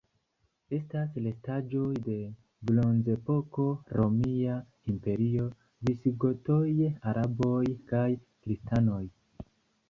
Estas restaĵoj de Bronzepoko, Romia Imperio, visigotoj, araboj kaj kristanoj.